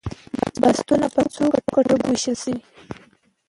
بستونه په څو کټګوریو ویشل شوي؟